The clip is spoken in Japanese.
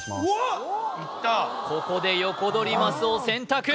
ここでヨコドリマスを選択